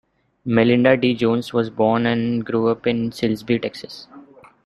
Melinda Dee Jones was born and grew up in Silsbee, Texas.